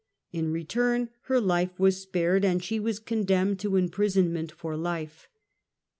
In return her life was spared and she was condemned to imprisonment for life.